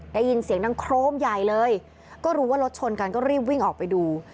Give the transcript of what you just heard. ได้ยินเสียงดังโครมใหญ่เลยก็รู้ว่ารถชนกันก็รีบวิ่งออกไปดู